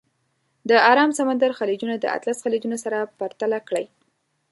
د ارام سمندر خلیجونه د اطلس خلیجونه سره پرتله کړئ.